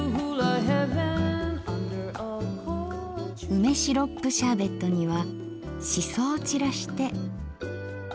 梅シロップシャーベットにはしそを散らして。